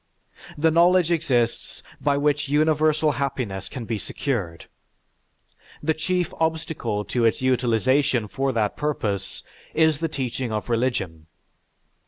"The knowledge exists by which universal happiness can be secured, the chief obstacle to its utilization for that purpose is the teaching of religion.